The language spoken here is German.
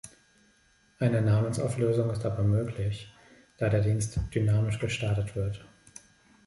Eine Namensauflösung ist aber möglich, da der Dienst dynamisch gestartet wird.